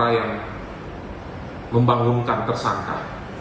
ada suara yang membangunkan tersangka